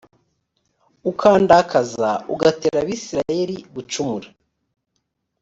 ukandakaza ugatera abisirayeli gucumura